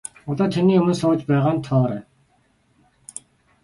Одоо таны өмнө сууж байгаа нь Тоорой.